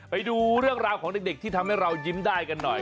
ไปดูเรื่องราวของเด็กที่ทำให้เรายิ้มได้กันหน่อย